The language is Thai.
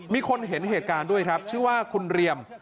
มีคนเห็นเหตุการณ์ด้วยครับชื่อว่าคุณเรียม